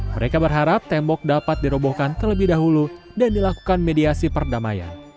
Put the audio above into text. mereka berharap tembok dapat dirobohkan terlebih dahulu dan dilakukan mediasi perdamaian